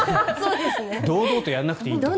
堂々とやらなくていい。